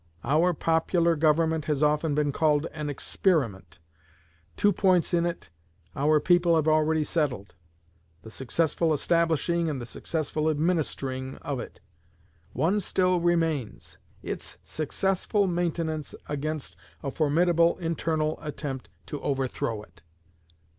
Our popular Government has often been called an experiment. Two points in it our people have already settled the successful establishing and the successful administering of it. One still remains its successful maintenance against a formidable internal attempt to overthrow it.